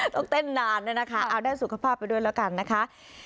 ต้องเต้นนานด้วยนะคะเอาได้สุขภาพไปด้วยแล้วกันนะคะ